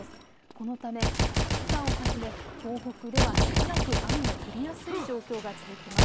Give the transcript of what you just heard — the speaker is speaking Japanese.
このため秋田をはじめ東北ではしばらく雨の降りやすい状況が続きます。